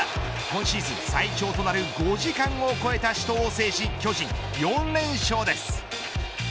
今シーズン最長となる５時間を超えた死闘を制し巨人、４連勝です。